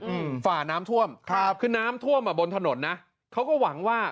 ฝ่าน้ำท่วมครับคือน้ำท่วมอ่ะบนถนนนะเขาก็หวังว่า